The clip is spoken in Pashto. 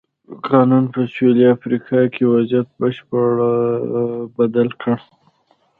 قانون په سوېلي افریقا کې وضعیت بشپړه بدل کړ.